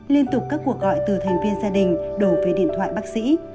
liên tục các cuộc gọi từ thành viên gia đình đổ về điện thoại bác sĩ